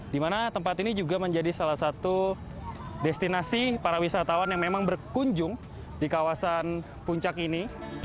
di mana tempat ini juga menjadi salah satu destinasi para wisatawan yang memang berkunjung di kawasan puncak ini